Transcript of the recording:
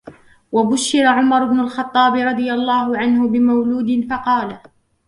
وَبُشِّرَ عُمَرُ بْنُ الْخَطَّابِ رَضِيَ اللَّهُ عَنْهُ بِمَوْلُودٍ فَقَالَ